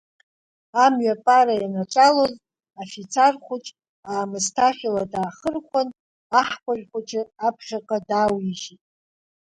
Амҩапара ианаҿалоз афицар хәыҷ аамысҭашәала даахырхәан, аҳкәажә хәыҷ аԥхьаҟа даауижьит.